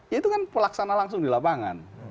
ya itu kan pelaksana langsung di lapangan